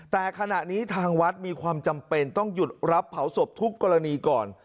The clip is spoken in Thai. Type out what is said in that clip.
แต่ขณะนี้ทางวัดมีความจำเป็นต้องหยุดรับเผาศพทุกกรณีก่อน